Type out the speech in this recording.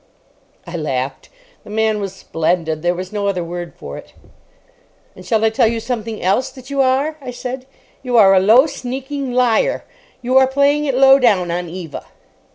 I laughed. The man was splendid. There was no other word for it. "And shall I tell you something else that you are?" I said. "You are a low, sneaking liar. You are playing it low down on Eva."